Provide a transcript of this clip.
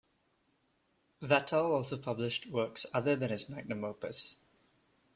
Vattel also published works other than his "magnum opus".